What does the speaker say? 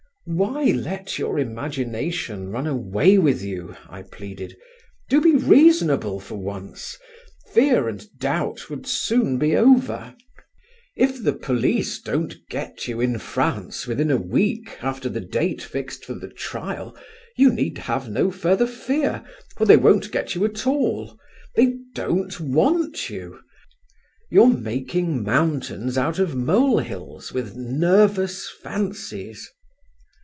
"Why let your imagination run away with you?" I pleaded. "Do be reasonable for once. Fear and doubt would soon be over. If the police don't get you in France within a week after the date fixed for the trial, you need have no further fear, for they won't get you at all: they don't want you. You're making mountains out of molehills with nervous fancies."